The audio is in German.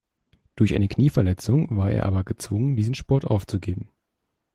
Durch eine Knieverletzung war er aber gezwungen, diesen Sport aufzugeben.